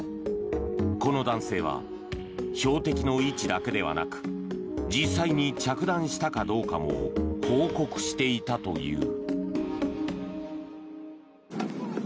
この男性は標的の位置だけではなく実際に着弾したかどうかも報告していたという。